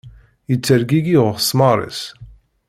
Yettergigi uɣesmar-is.